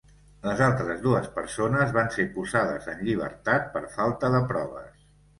Les altres dues persones van ser posades en llibertat per falta de proves.